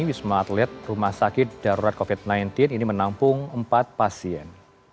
wisma atlet rumah sakit darurat covid sembilan belas ini menampung empat pasien